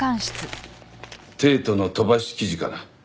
『帝都』の飛ばし記事かな？